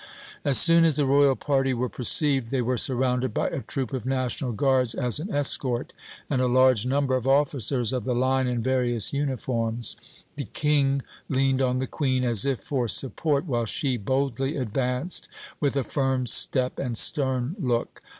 As soon as the Royal party were perceived, they were surrounded by a troop of National Guards as an escort, and a large number of officers of the Line in various uniforms. The King leaned on the Queen, as if for support, while she boldly advanced with a firm step and stern look.